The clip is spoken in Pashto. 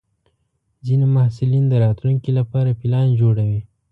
ځینې محصلین د راتلونکي لپاره پلان جوړوي.